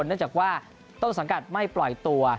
เนื่องจากว่าต้นสังกัดไม่ปล่อยตัว